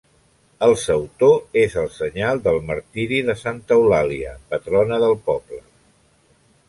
El sautor és el senyal del martiri de Santa Eulàlia, patrona del poble.